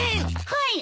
はい。